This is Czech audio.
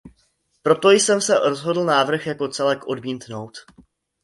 Proto jsem se rozhodl návrh jako celek odmítnout.